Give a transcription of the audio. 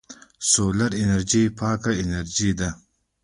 سولر انرژي پاکه انرژي ده.